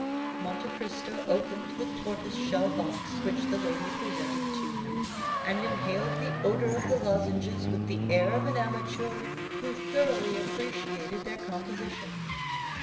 Monte Cristo opened the tortoise shell box, which the lady presented to him, and inhaled the odor of the lozenges with the air of an amateur who thoroughly appreciated their composition.